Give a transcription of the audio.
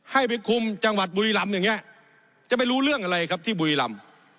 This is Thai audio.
ให้ไปคุมจังหวัดบุรีรำอย่างนี้จะไปรู้เรื่องอะไรครับที่บุรีรำ